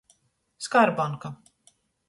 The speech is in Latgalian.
Skarbonka.